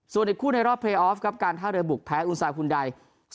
ส่วนอีกคู่ในรอบเพลย์ออฟครับการท่าเรือบุกแพ้อุณซาคุณใด